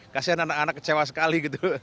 kasian anak anak kecewa sekali gitu